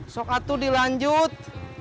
sokak tuh dilanjut